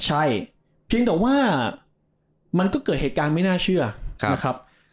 ใช่เพียงแต่ว่ามันก็เกิดเหตุการณ์ไม่น่าเชื่อนะครับ